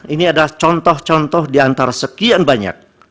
ini adalah contoh contoh diantara sekian banyak